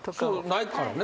ないからね。